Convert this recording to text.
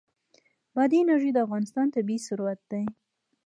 بادي انرژي د افغانستان طبعي ثروت دی.